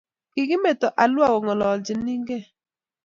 Ki kimeto alua kongololchinikei